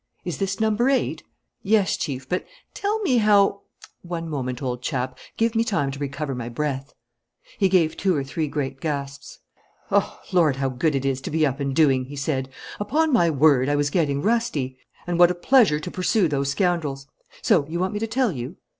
"Is this number eight?" "Yes, Chief, but tell me how " "One moment, old chap; give me time to recover my breath." He gave two or three great gasps. "Lord, how good it is to be up and doing!" he said. "Upon my word, I was getting rusty. And what a pleasure to pursue those scoundrels! So you want me to tell you?"